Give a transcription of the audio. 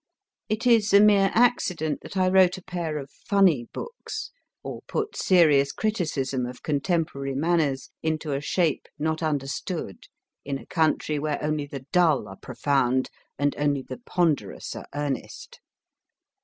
It is a mere accident that I wrote a pair of funny books, or put serious criticism of contemporary manners into a shape not understood in a country where only the dull are profound and only the ponderous are earnest.